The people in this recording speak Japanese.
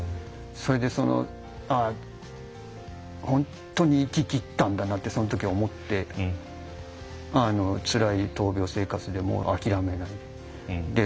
それで本当に生ききったんだなってそのとき思ってつらい闘病生活でも諦めないで。